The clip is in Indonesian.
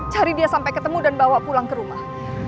cari dia sampai ketemu dan bawa pulang ke rumah